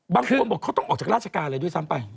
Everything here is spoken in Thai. บางคนบอกเขาต้องออกจากราชการเลยด้วยซ้ำไป